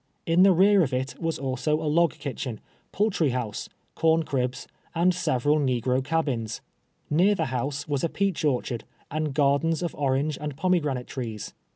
In the rear of it was also a log kitchen, poul try house, corncribs, and several negro cabins. Near the liouse was a peach orchard, and gardens of orange and pomegranate trees.